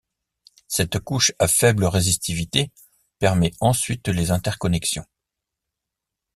Cette couche à faible résistivité permet ensuite les interconnexions.